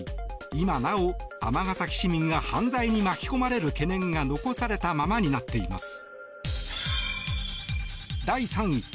今なお尼崎市民が犯罪に巻き込まれる懸念が残されたままになっています。